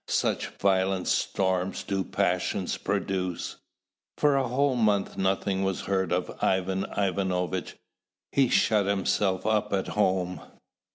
Such violent storms do passions produce! For a whole month nothing was heard of Ivan Ivanovitch. He shut himself up at home.